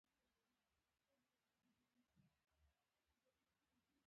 غرمه د ماشوم د خوب سرود دی